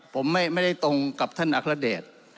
ผมไม่ได้ตรงกับท่านอัครเดช